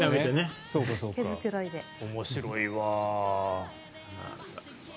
面白いわ。